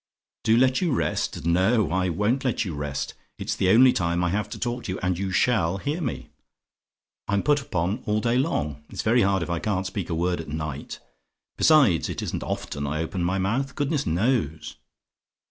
"DO LET YOU REST? "No: I won't let you rest. It's the only time I have to talk to you, and you SHALL hear me. I'm put upon all day long: it's very hard if I can't speak a word at night: besides, it isn't often I open my mouth, goodness knows.